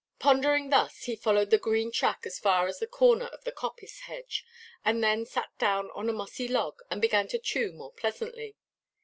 Pondering thus, he followed the green track as far as the corner of the coppice hedge, and then he sat down on a mossy log, and began to chew more pleasantly.